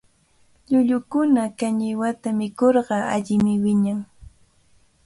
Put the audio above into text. Llullukuna kañiwata mikurqa allimi wiñan.